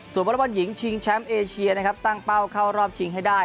วอลบอลหญิงชิงแชมป์เอเชียนะครับตั้งเป้าเข้ารอบชิงให้ได้